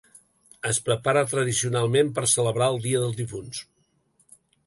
Es prepara tradicionalment per celebrar el Dia dels Difunts.